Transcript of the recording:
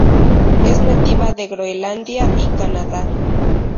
Es nativa de Groenlandia y Canadá.